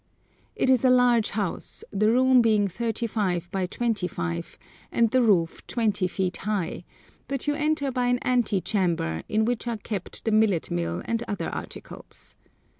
It is a large house, the room being 35 by 25, and the roof 20 feet high; but you enter by an ante chamber, in which are kept the millet mill and other articles.